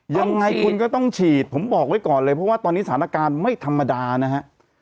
ยังไงคุณก็ต้องฉีดผมบอกไว้ก่อนเลยเพราะว่าตอนนี้สถานการณ์ไม่ธรรมดานะฮะ